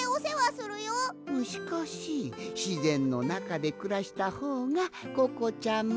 しかししぜんのなかでくらしたほうがココちゃんも。